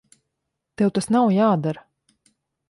Tev tas nav jādara.